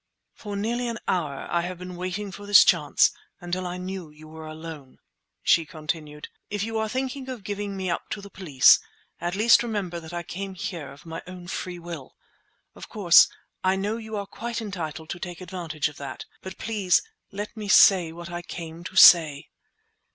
"For nearly an hour I have been waiting for this chance—until I knew you were alone," she continued. "If you are thinking of giving me up to the police, at least remember that I came here of my own free will. Of course, I know you are quite entitled to take advantage of that; but please let me say what I came to say!"